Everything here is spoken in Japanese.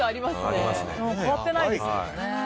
でも変わってないですよね。